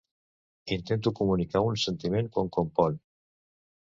Intento comunicar un sentiment quan componc.